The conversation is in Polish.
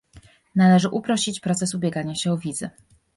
Należy uprościć proces ubiegania się o wizy